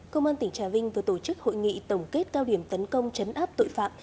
công an tỉnh trà vinh vừa tổ chức hội nghị tổng kết cao điểm tấn công chấn áp tội phạm